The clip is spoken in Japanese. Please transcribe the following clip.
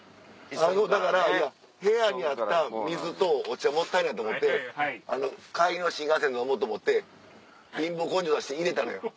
だからいや部屋にあった水とお茶もったいないと思って帰りの新幹線で飲もうと思って貧乏根性出して入れたのよ。